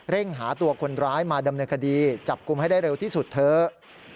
หาตัวคนร้ายมาดำเนินคดีจับกลุ่มให้ได้เร็วที่สุดเถอะ